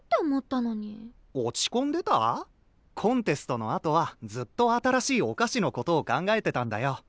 コンテストのあとはずっと新しいお菓子のことを考えてたんだよ。